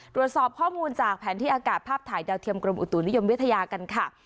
ตรวจสอบข้อมูลจากแผนที่อากาศภาพถ่ายดาวเทียมกรมอุตุนิยมวิทยากันค่ะ